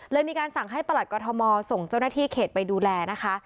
มีการสั่งให้ประหลัดกรทมส่งเจ้าหน้าที่เขตไปดูแลนะคะ